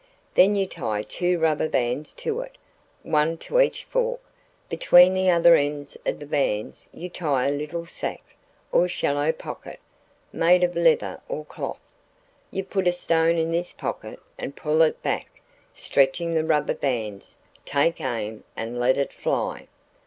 Then you tie two rubber bands to it, one to each fork. Between the other ends of the bands you tie a little sack, or shallow pocket, made of leather or strong cloth. You put a stone in this pocket and pull it back, stretching the rubber bands, take aim, and let it fly."